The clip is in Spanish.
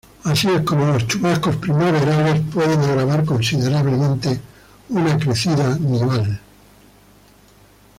Así es como los chubascos primaverales pueden agravar considerablemente una crecida nival.